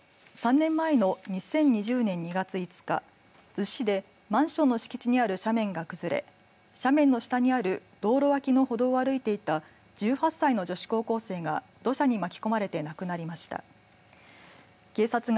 ３年前の２０２０年２月５日逗子市でマンションの敷地にある斜面が崩れ斜面の下にある道路脇の歩道を歩いていた１８歳の女子高校生が土砂に巻き込まれて亡くなりました。